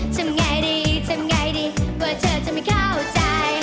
ทำไงดีทำไงดีว่าเธอจะไม่เข้าใจ